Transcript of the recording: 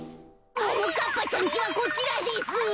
ももかっぱちゃんちはこちらです。